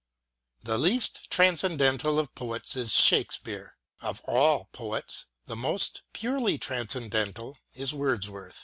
The least transcen dental of poets is Shakespeare ; of all poets the most purely transcendental is Wordsworth.